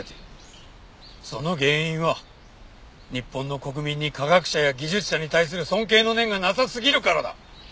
その原因は日本の国民に科学者や技術者に対する尊敬の念がなさすぎるからだ。